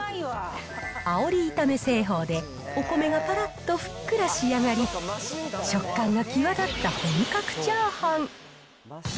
あおり炒め製法でお米がぱらっとふっくら仕上がり、食感が際立った本格チャーハン。